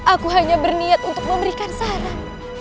aku hanya berniat untuk memberikan saran